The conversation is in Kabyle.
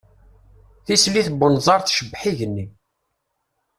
Tislit n unẓar tcebbeḥ igenni.